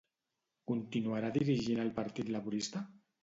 Continuarà dirigint el Partit Laborista?